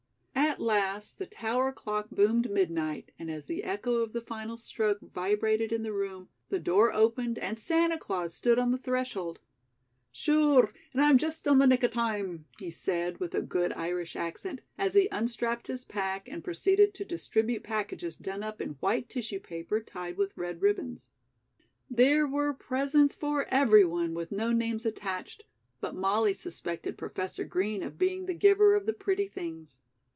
At last the tower clock boomed midnight, and as the echo of the final stroke vibrated in the room, the door opened and Santa Claus stood on the threshold. "Shure, an' I'm just on the nick of time," he said with a good Irish accent, as he unstrapped his pack and proceeded to distribute packages done up in white tissue paper tied with red ribbons. There were presents for everyone with no names attached, but Molly suspected Professor Green of being the giver of the pretty things.